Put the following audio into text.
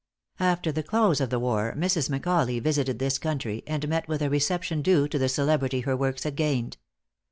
After the close of the war, Mrs. Macaulay visited this country, and met with a reception due to the celebrity her works had gained.